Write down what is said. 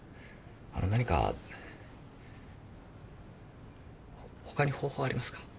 あの何かほ他に方法ありますか？